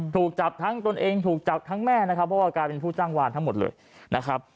ถูกจับทั้งตนเองถูกจับทั้งแม่นะครับเพราะว่ากลายเป็นผู้จ้างวานทั้งหมดเลยนะครับ